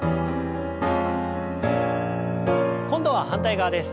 今度は反対側です。